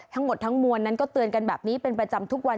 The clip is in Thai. ทั้งหมดทั้งมวลนั้นก็เตือนกันแบบนี้เป็นประจำทุกวัน